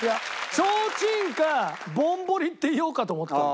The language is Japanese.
提灯かぼんぼりって言おうかと思ったの。